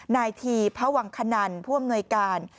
นายทีพวังคณันผู้อำนวยการ